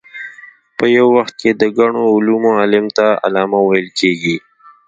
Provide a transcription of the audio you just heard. په یو وخت کې د ګڼو علومو عالم ته علامه ویل کېږي.